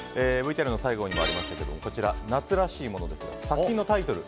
ＶＴＲの最後にもありましたがこちら、夏らしいものですが作品のタイトル